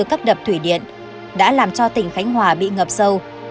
gặp thủy điện đã làm cho tỉnh khánh hòa bị ngập sâu